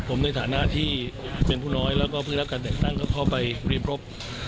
ผมในฐานะที่เป็นผู้น้อยแล้วก็เพิ่งรับการแต่งตั้งก็เข้าไปรีบรบ